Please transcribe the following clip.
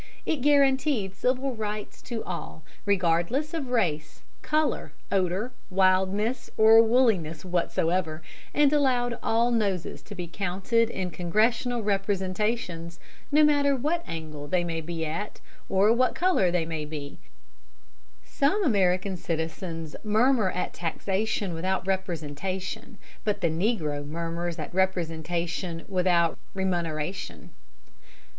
It guaranteed civil rights to all, regardless of race, color, odor, wildness or wooliness whatsoever, and allows all noses to be counted in Congressional representations, no matter what angle they may be at or what the color may be. Some American citizens murmur at taxation without representation, but the negro murmurs at representation without remuneration.